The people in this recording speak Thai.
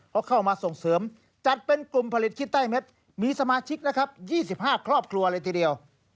ก็เข้ามาส่งเสริมจัดเป็นกลุ่มผลิตขี้ไต้เม็ดมีสมาชิกนะครับ๒๕ครอบครัวเลยทีเดียว